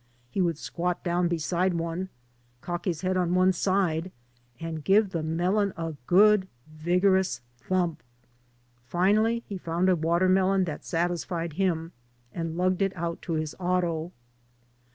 He would squat down "beside one, cock his head on one side, and give the melon a good vigorous thump. Finally he found a watermelon that satis fied him, and lugged it out to his auto.